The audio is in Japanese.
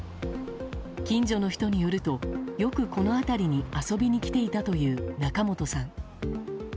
近所の人によるとよくこの辺りに遊びに来ていたという仲本さん。